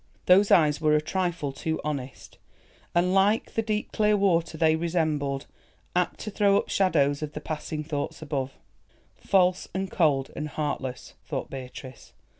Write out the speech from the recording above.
Those eyes were a trifle too honest, and, like the deep clear water they resembled, apt to throw up shadows of the passing thoughts above. "False and cold and heartless," thought Beatrice.